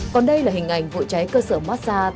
còn đây là hình ảnh vụ cháy cơ sở massage